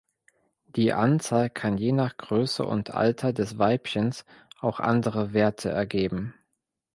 Die Anzahl kann je nach Größe und Alter des Weibchens auch andere Werte ergeben.